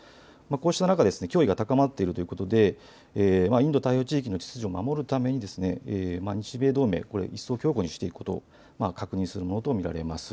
こうした中、脅威が高まっているということでインド太平洋地域の秩序を守るために日米同盟、一層強固にしていくことを確認するものと見られます。